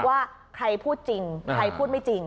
ว่าใครพูดจริงใครพูดไม่จริง